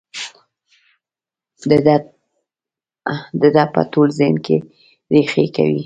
د ده په ټول ذهن کې رېښې کوي.